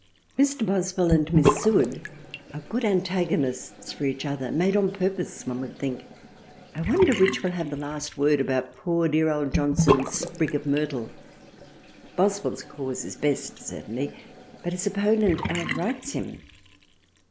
Mr. Boswell and Miss Seward are good Antago nists for each other made on purpose one would think, I wonder which will have the last word about poor dear old Johnson's Sprig of Myrtle. Boswell's Cause is best certainly but his opponent out writes him.